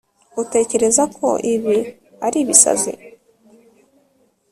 Utekereza ko ibi ari ibisazi